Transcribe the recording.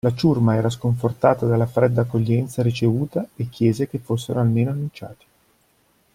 La ciurma era sconfortata dalla fredda accoglienza ricevuta e chiese che fossero almeno annunciati.